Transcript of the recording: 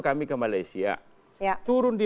kami ke malaysia turun di